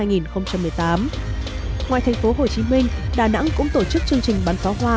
ngoài thành phố hồ chí minh đà nẵng cũng tổ chức chương trình bán pháo hoa